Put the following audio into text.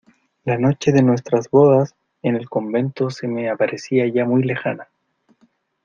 la noche de nuestras bodas en el convento se me aparecía ya muy lejana